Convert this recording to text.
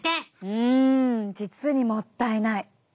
うん実にもったいない！